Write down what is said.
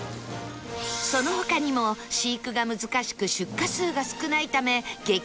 その他にも飼育が難しく出荷数が少ないため激